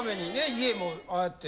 家もああやって。